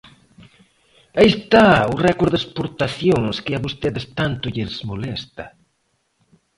¡Aí está o récord de exportacións que a vostedes tanto lles molesta!